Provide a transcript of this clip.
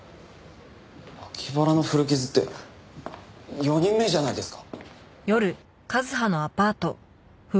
脇腹の古傷って４人目じゃないですか。